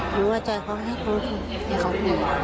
มันประจายเขาให้เขาหมดตัว